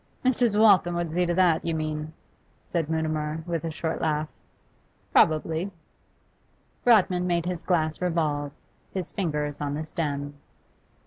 'Mrs. Waltham would see to that, you mean?' said Mutimer, with a short laugh. 'Probably.' Rodman made his glass revolve, his fingers on the stem.